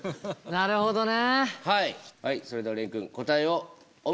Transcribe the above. なるほどね。